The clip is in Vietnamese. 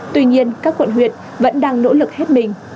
tuy nhiên các quận huyện vẫn đang nỗ lực hết mình